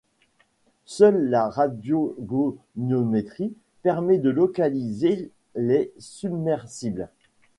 Seule la radiogoniométrie permet de localiser les submersibles.